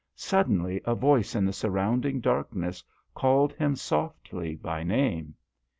Suddenly a voice in the surrounding dark ness called him softly by name.